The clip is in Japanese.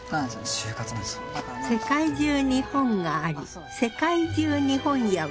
世界中に本があり世界中に本屋はある。